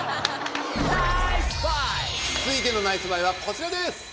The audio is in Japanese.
続いてのナイスバイはこちらです。